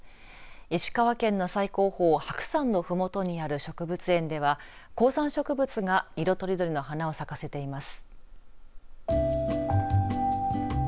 石川県の最高峰白山のふもとにある植物園では高山植物が色とりどりの花を咲かせています。